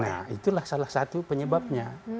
nah itulah salah satu penyebabnya